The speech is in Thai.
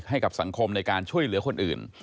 ให้กับสังคมในการช่วยเหลือคนอื่น